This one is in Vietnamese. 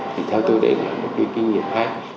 thì theo tôi đấy là một cái kinh nghiệm hay